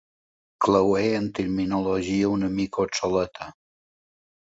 Clauer en terminologia una mica obsoleta.